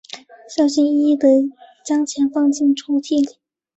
小心翼翼地将钱收在抽屉里